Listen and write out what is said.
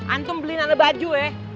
antum beli nada baju ya